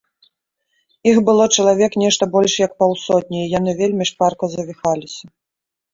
Іх было чалавек нешта больш як паўсотні, і яны вельмі шпарка завіхаліся.